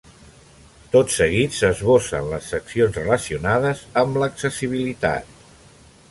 Tot seguit s'esbossen les seccions relacionades amb l'accessibilitat.